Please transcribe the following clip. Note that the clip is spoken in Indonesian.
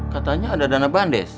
katanya ada dana bandes